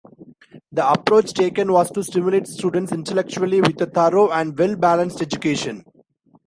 The approach taken was to stimulate students intellectually with a thorough and well-balanced education.